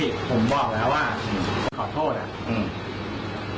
อ่าขอโทษหน่อยไม่ให้พี่ผมบอกแล้วว่าขอโทษอ่ะอืม